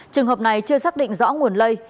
trường hợp này chưa xác định rõ nguồn lây